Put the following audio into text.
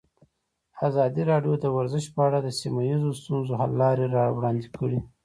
ازادي راډیو د ورزش په اړه د سیمه ییزو ستونزو حل لارې راوړاندې کړې.